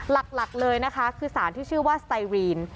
หลักเลยนะคะคือสารที่ชื่อว่าสไตรีน